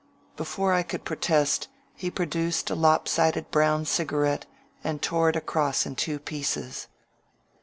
Before I could pro test he produced a lop sided brown cigarette and tore it across in two pieces.